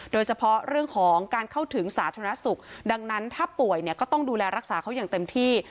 โดยเฉพาะเรื่องของการเข้าถึงสาธารณสุขดังนั้นถ้าป่วยเนี่ยก็ต้องดูแลรักษาเขาอย่างเต็มที่